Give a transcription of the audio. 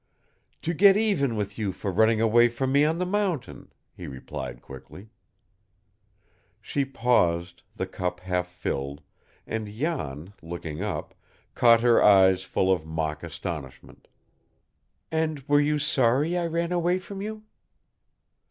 "To get even with you for running away from me on the mountain," he replied quickly. She paused, the cup half filled, and Jan, looking up, caught her eyes full of mock astonishment. "And were you sorry I ran away from you?"